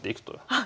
あっ！